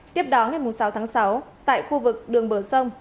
tiếp đó ngày sáu tháng sáu tại khu vực đường bờ sông